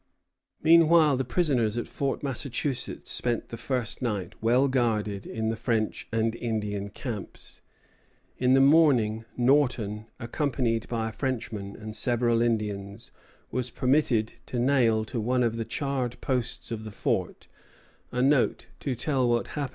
Meanwhile, the prisoners at Fort Massachusetts spent the first night, well guarded, in the French and Indian camps. In the morning, Norton, accompanied by a Frenchman and several Indians, was permitted to nail to one of the charred posts of the fort a note to tell what had happened to him and his companions.